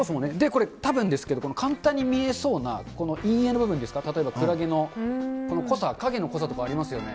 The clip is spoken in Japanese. これたぶんですけど、この簡単に見えそうな、この陰影の部分ですか、例えばクラゲの、この濃さ、影の濃さとかありますよね。